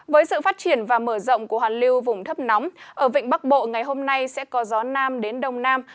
với sự phát triển và mở rộng của hoàn lưu vùng thấp nóng ở vịnh bắc bộ ngày hôm nay sẽ có gió nam đến đông nam